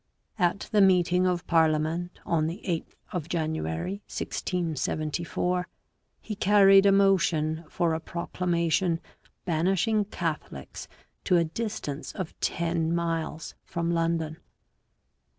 At the meeting of parliament on the 8th of January 1674, he carried a motion for a proclamation banishing Catholics to a distance of 10 m. from London.